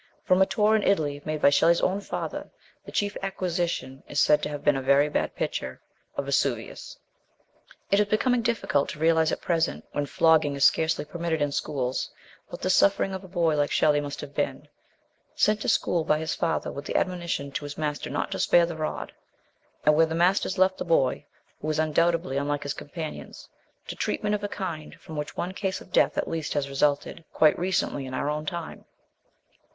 From a tour in Italy made by Shelley's own father the chief acquisition is said to have been a very bad picture of Vesuvius. It is becoming difficult to realise at present, when flogging is scarcely permitted in schools, what the sufferings of a boy like Shelley must have been ; sent to school by his father with the admonition to his master not to spare the rod, and where the masters left the boy, who was undoubtedly unlike his com panions, to treatment of a kind from which one case of death at least has resulted quite recently in our own time.